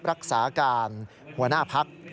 รักษาการหัวหน้าพัก